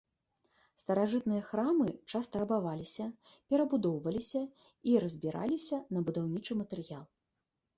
Старажытныя храмы часта рабаваліся, перабудоўваліся і разбіраліся на будаўнічы матэрыял.